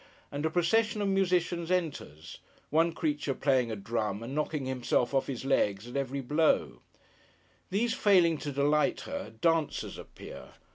and a procession of musicians enters; one creature playing a drum, and knocking himself off his legs at every blow. These failing to delight her, dancers appear.